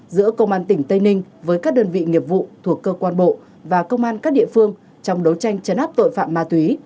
giữa công an tỉnh tây ninh với các đơn vị nghiệp vụ thuộc cơ quan bộ và công an các địa phương trong đấu tranh chấn áp tội phạm ma túy